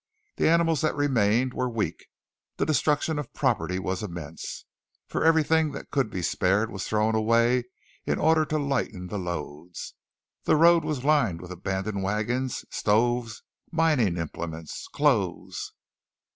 The animals that remained were weak. The destruction of property was immense, for everything that could be spared was thrown away in order to lighten the loads. The road was lined with abandoned wagons, stoves, mining implements, clothes.